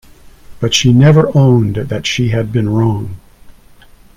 But she never owned that she had been wrong.